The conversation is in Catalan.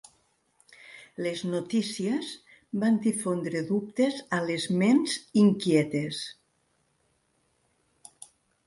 Les notícies van difondre dubtes a les ments inquietes.